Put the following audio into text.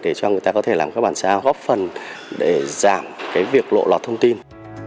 để cho người ta có thể làm các bản sao góp phần để giảm việc lộ lọt thông tin